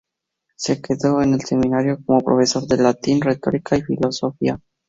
Se quedó en el seminario como profesor de latín, retórica y filosofía.